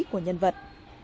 của nhân vật